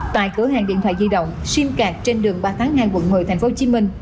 tại cửa hàng điện thoại di động simcard trên đường ba tháng hai quận một mươi thành phố hồ chí minh